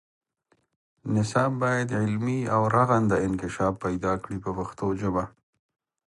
نصاب باید علمي او رغنده انکشاف پیدا کړي په پښتو ژبه.